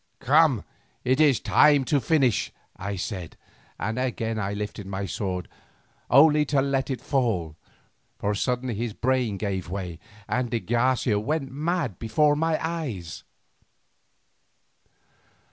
"Come, it is time to finish," I said, and again I lifted my sword, only to let it fall, for suddenly his brain gave way and de Garcia went mad before my eyes!